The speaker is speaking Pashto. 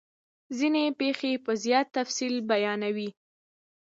ځیني پیښې په زیات تفصیل بیانوي.